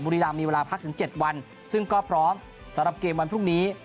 บุรีรามมีเวลาพักถึง๗วันซึ่งก็พร้อมสำหรับเกมวันพรุ่งนี้